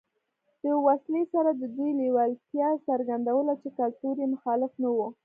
له وسلې سره د دوی لېوالتیا څرګندوله چې کلتور یې مخالف نه و